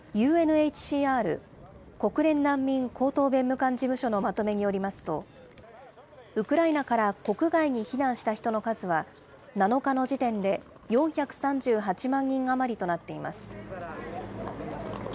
ＵＮＨＣＲ・国連難民高等弁務官事務所のまとめによりますと、ウクライナから国外に避難した人の数は、７日の時点で４３８万人余りとなっています。